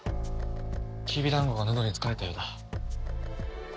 きびだんごがのどにつかえたようだ。